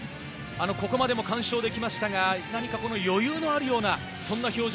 ここまでも完勝できましたが何か余裕のあるようなそんな表情